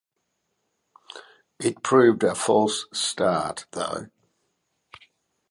It proved a false start, though.